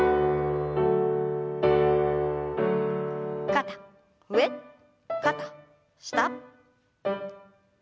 肩上肩下。